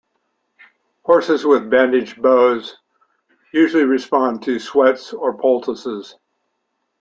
Horses with bandage bows usually respond to sweats or poultices.